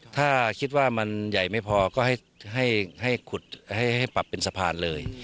ถ้าคิดว่ามันใหญ่ไม่พอก็ให้ขุดให้ปรับเป็นสะพานเลย